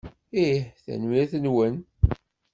Ih. Tanemmirt-nwent.